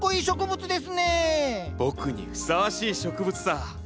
僕にふさわしい植物さ。